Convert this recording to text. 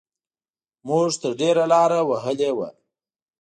موږ تر ډېره لاره وهلې وه.